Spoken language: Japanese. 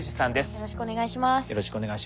よろしくお願いします。